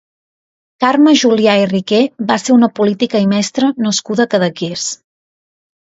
Carme Julià Riqué va ser una política i mestra nascuda a Cadaqués.